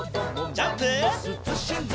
ジャンプ！